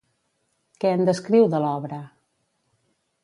Què en descriu, de l'obra?